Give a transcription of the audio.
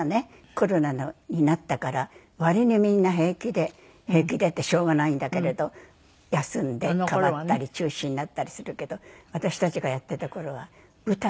コロナになったから割にみんな平気で平気でってしょうがないんだけれど休んで代わったり中止になったりするけど私たちがやってた頃は舞台。